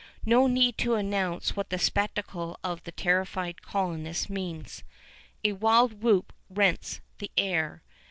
No need to announce what the spectacle of the terrified colonists means. A wild whoop rends the air.